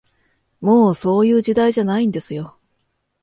もう、そういう時代じゃないんですよ